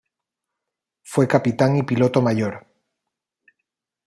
Fue capitán y piloto mayor.